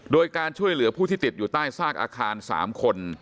โดยการช่วยเหลือผู้ที่ติดอยู่ใต้ซากอาคาร๓คน